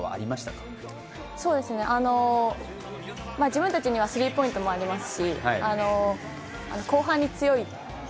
自分たちにはスリーポイントもありますし、後半に強い。